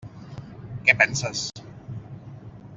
Què penses?